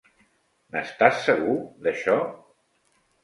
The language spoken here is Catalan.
N'estàs segur, d'això?